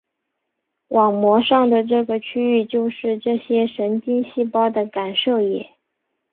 网膜上的这个区域就是这些神经细胞的感受野。